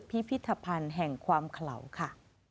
พิพิธภัณฑ์แห่งความเขลาค่ะ